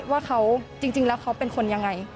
ว่าเขาจริงแล้วเขาเป็นคนยังไง